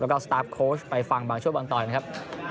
แล้วก็สตาร์ฟโค้ชไปฟังบางช่วงบางตอนนะครับ